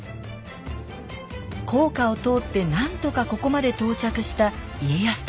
甲賀を通って何とかここまで到着した家康たち。